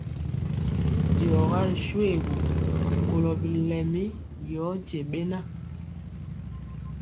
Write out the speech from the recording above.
Diɔga ri shoégu, kɔlo bilɛmi yor tyebɛna.